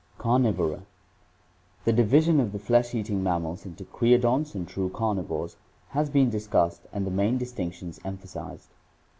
CARNIVORA The division of the flesh eating mammals into creodonts and true carnivores has been discussed and the main distinctions emphasized (page 551).